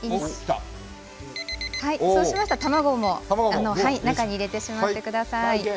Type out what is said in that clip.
そうしましたら卵も中に入れてしまってください。